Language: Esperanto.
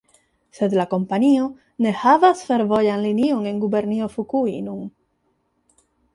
Sed la kompanio ne havas fervojan linion en Gubernio Fukui nun.